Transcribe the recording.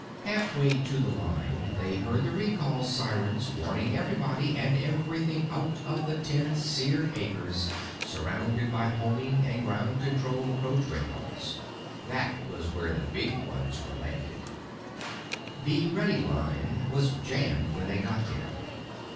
Halfway to the line they heard the recall sirens warning everybody and everything out of the ten seared acres surrounded by homing and Ground Controlled Approach radars. That was where the big ones were landed. The ready line was jammed when they got there.